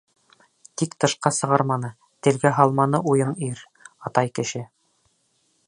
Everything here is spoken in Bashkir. Тик тышҡа сығарманы, телгә һалманы уйын ир, атай кеше.